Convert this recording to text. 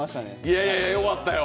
いやいや、よかったよ。